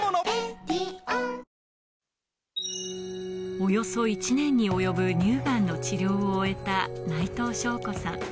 およそ１年に及ぶ乳がんの治療を終えた内藤省子さん。